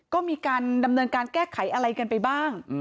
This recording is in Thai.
ก็มีการดำเนินการแก้ไขอะไรกันไปบ้าง